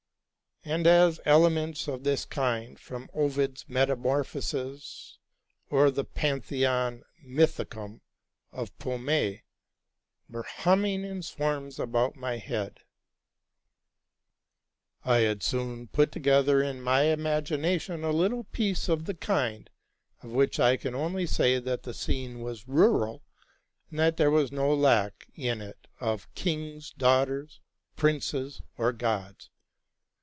And as elements of this kind, from '+ Ovid's Met tamorphoses,"' or the '' Pantheon Mythicum'' of Pomey, were humming in swarms about my head, I had soon put together in my imagination a little piece of the kind, of which I can only say that the scene was rural, and that there was no lack in it of king's daughters, princes, or gods.